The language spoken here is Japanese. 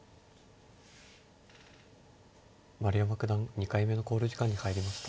丸山九段２回目の考慮時間に入りました。